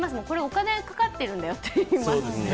これお金かかってるんだよって。